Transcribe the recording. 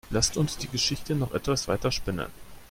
Lasst uns die Geschichte noch etwas weiter spinnen.